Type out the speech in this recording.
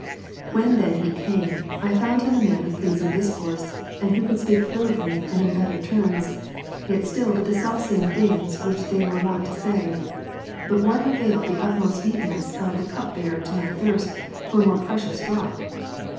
When then he came, I found him a man of pleasing discourse, and who could, speak fluently and in better terms, yet still but the self same things which they were wonttosay. But what availed the utmost neatness of the cup bearer to my thirst for a more precious draught